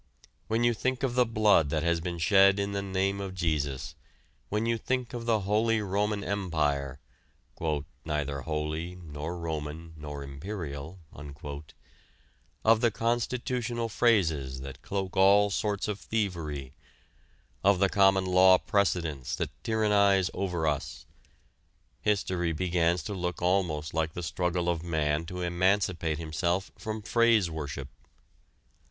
When you think of the blood that has been shed in the name of Jesus, when you think of the Holy Roman Empire, "neither holy nor Roman nor imperial," of the constitutional phrases that cloak all sorts of thievery, of the common law precedents that tyrannize over us, history begins to look almost like the struggle of man to emancipate himself from phrase worship.